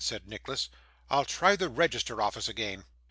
said Nicholas, 'I'll try that Register Office again.